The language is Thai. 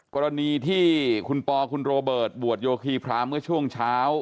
กรณีที่คุณปอคุณโรเบิร์ตบวชโยคีพรามเมื่อช่วงเช้า